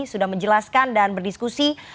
sudah menjelaskan dan berdiskusi